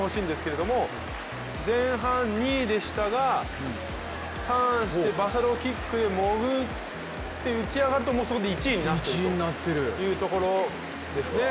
前半２位でしたが、ターンしてバサロキックで潜って浮き上がるとここで１位になっているというところですね。